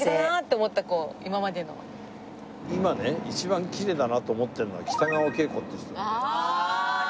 今ね一番きれいだなと思ってるのは北川景子っていう人ね。